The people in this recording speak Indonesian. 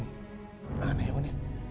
un aneh un